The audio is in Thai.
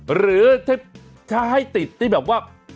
หรือถ้าให้ติดที่แบบว่า